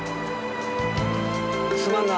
すまんな。